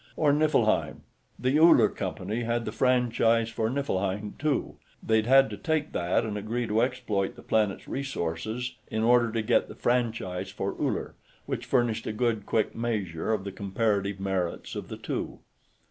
Or Niflheim. The Uller Company had the franchise for Niflheim, too; they'd had to take that and agree to exploit the planet's resources in order to get the franchise for Uller, which furnished a good quick measure of the comparative merits of the two.